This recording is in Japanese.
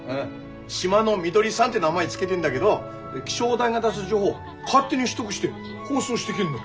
シマノミドリさんって名前付けでんだげど気象台が出す情報勝手に取得して放送してくれんの。